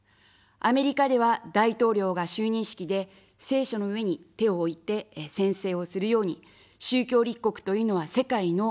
アメリカでは、大統領が就任式で聖書の上に手を置いて宣誓をするように、宗教立国というのは世界の主流です。